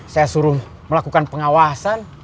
saya suruh melakukan pengawasan